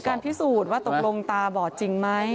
พิสูจน์ว่าตกลงตาบอดจริงไหม